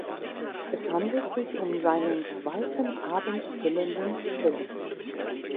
Es handelt sich um seinen zweiten abendfüllenden Film.